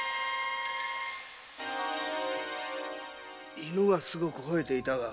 犬がすごくほえていたが。